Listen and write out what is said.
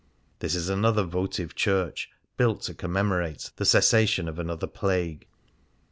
This is another votive church, built to commemorate the cessa tion of another plague.